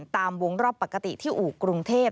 ตามวงรอบปกติที่อู่กรุงเทพ